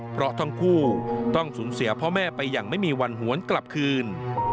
เพราะทั้งคู่ต้องสูญเสียพ่อแม่ไปอย่างไม่มีวันหวนกลับคืน